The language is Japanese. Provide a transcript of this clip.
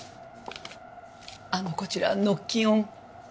あのこちらノッキオン。